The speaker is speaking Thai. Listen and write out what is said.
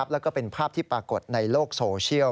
แล้วก็เป็นภาพที่ปรากฏในโลกโซเชียล